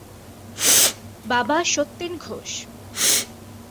বাবা সত্যেন ঘোষ।